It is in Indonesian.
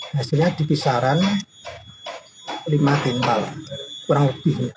hasilnya dipisaran lima kental kurang lebih